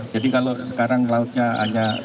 jadi kalau sekarang lautnya hanya